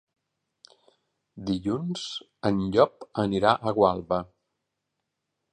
Dilluns en Llop anirà a Gualba.